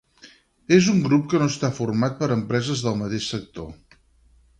És un grup que no està format per empreses del mateix sector.